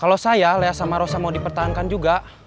kalau saya lea sama rosa mau dipertahankan juga